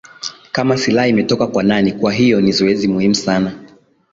kama silaha imetoka kwa nani kwa hivyo ni zoezi muhimu sana